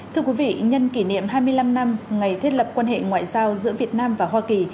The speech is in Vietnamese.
thưa quý vị nhân kỷ niệm hai mươi năm năm ngày thiết lập quan hệ ngoại giao giữa việt nam và hoa kỳ